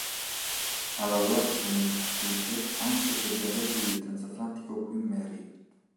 Ha lavorato come pittrice anche per gli arredi del transatlantico Queen Mary.